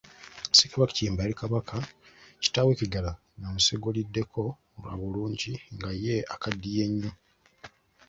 Ssekabaka Kiyimba yali kabaka kitaawe Kiggala ng'abumuseguliddeko lwa bulungi nga ye akaddiye nnyo.